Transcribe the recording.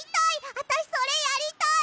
あたしそれやりたい！